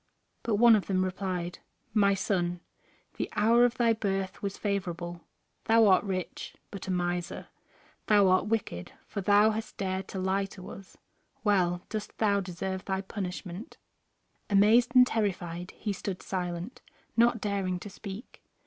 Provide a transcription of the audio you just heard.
But one of them replied: "My son, the hour of thy birth was favorable; thou art rich, but a miser; thou art wicked, for thou hast dared to lie to us. Well dost thou deserve thy punishment." Amazed and terrified he stood silent, not daring to speak.